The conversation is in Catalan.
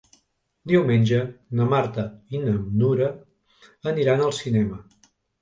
Diumenge na Marta i na Nura aniran al cinema.